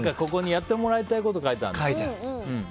やってもらいたいことを書いてあるんだ。